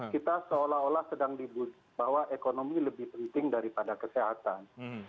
kita seolah olah sedang dibutuhkan bahwa ekonomi lebih penting daripada kesehatan